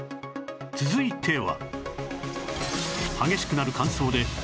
続いては